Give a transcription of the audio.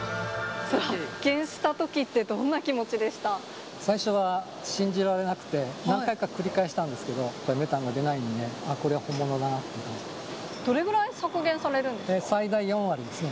発見したときって、最初は信じられなくて、何回か繰り返したんですけど、メタンが出ないんで、あっ、どれぐらい削減されるんです最大４割ですね。